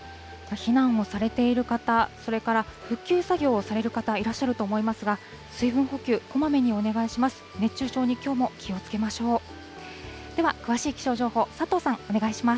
避難をされている方、それから復旧作業をされる方、いらっしゃると思いますが、水分補給、こまめにお願いします。